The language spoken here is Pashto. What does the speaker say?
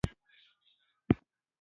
که زه کور وپلورم نو پیسې ورته مهمې نه دي